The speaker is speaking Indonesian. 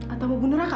atau mau bunuh raka